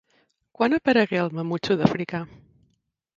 Quan aparegué el mamut sud-africà?